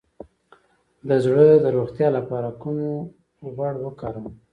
د زړه د روغتیا لپاره کوم غوړ وکاروم؟